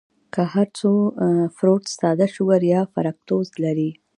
کۀ هر څو فروټس ساده شوګر يا فرکټوز لري